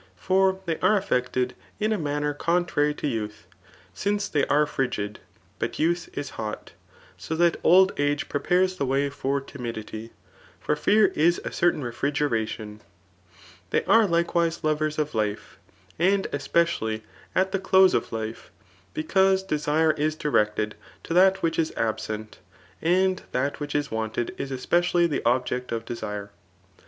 For they are affected in a manner contrary to ydtith ; ^ce they are frigid, but youth is hot ; so that old age prepares the way for timidity ; for fear isf a certain refrigeration* They are likewise lovers of life^ and especially at the close of life, because « desire is directed to that which is iabsent, and that which Is wanted is especially the object of desire.